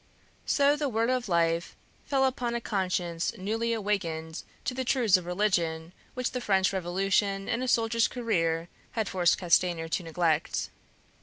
So the word of life fell upon a conscience newly awakened to the truths of religion which the French Revolution and a soldier's career had forced Castanier to neglect.